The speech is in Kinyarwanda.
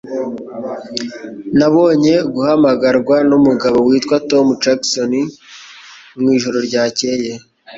Nabonye guhamagarwa numugabo witwa Tom Jackson mwijoro ryakeye